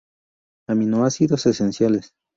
Aminoácidos esenciales